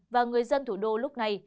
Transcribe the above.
và người dân thủ đô lúc này